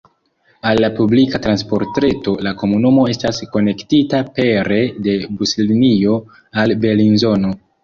Al la publika transportreto la komunumo estas konektita pere de buslinio al Belinzono.